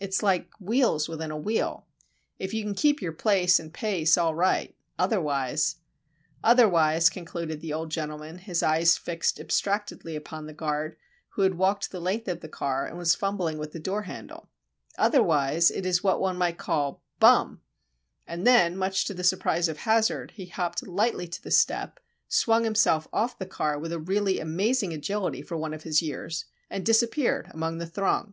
It's like wheels within a wheel. If you can keep your place, and pace, all right;—otherwise——" "Otherwise," concluded the old gentleman, his eyes fixed abstractedly upon the guard, who had walked the length of the car, and was fumbling with the door handle,—"Otherwise, it is what one might call—bum!" And then, much to the surprise of Hazard, he hopped lightly to the step, swung himself off the car with a really amazing agility for one of his years, and disappeared among the throng.